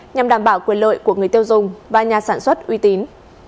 nhằm đảm bảo quyền lợi của người tiêu dùng và nhà sản xuất uy tín